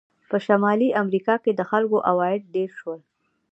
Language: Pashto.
په شمالي امریکا کې د خلکو عواید ډېر شول.